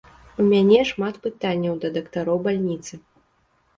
У мяне шмат пытанняў да дактароў бальніцы.